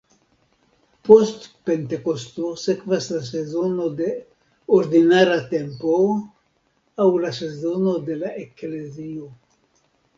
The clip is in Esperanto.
Post Pentekosto sekvas la sezono de "Ordinara tempo", aŭ la sezono de la Eklezio.